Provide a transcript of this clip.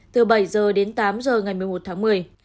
từ bảy h đến tám h ngày một mươi một tháng một mươi